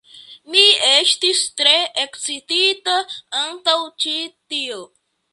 Mi estis tre ekscitita antaŭ ĉi tio.